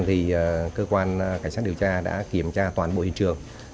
thì cơ quan cảnh sát điều tra đã kiểm tra toàn bộ hình trường